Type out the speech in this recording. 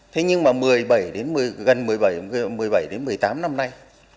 thế nhưng mà gần một mươi bảy đến một mươi tám năm nay